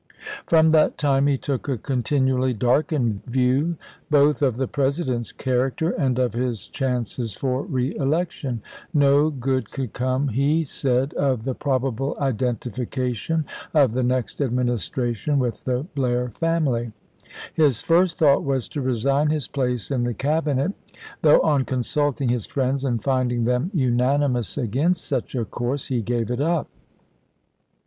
From that time he took a continually darkened view both of the President's character and of his chances for reelection. No good could come, he said, of the probable identification of the next Administration with the Blair family. His first jay acooke, thought was to resign his place in the Cabinet; Mwar«ient4' though, on consulting his friends and finding them salmon p. .,,.. Chase," unanimous against such a course, he gave it up. p.